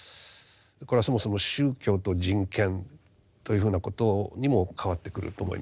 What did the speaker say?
これはそもそも宗教と人権というふうなことにも関わってくると思います。